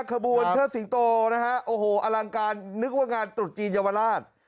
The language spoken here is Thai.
เชิดสิงโตนะฮะโอ้โหอลังการนึกว่างานตรุษจีนเยาวราช